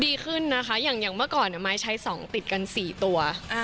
ดีขึ้นนะคะอย่างเมื่อก่อนไม้ใช้๒ติดกัน๔ตัว